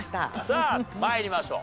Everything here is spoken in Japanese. さあ参りましょう。